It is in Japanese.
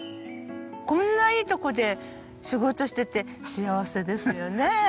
こんないいとこで仕事してて幸せですよね。